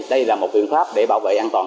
đây là một biện pháp để bảo vệ an toàn